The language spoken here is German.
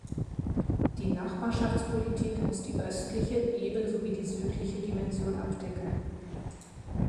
Die Nachbarschaftspolitik muss die östliche ebenso wie die südliche Dimension abdecken.